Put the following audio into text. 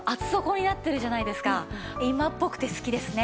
今っぽくて好きですね。